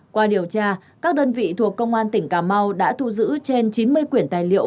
qua điều tra các đơn vị thuộc công an tỉnh cà mau đã thu giữ trên chín mươi quyển tài liệu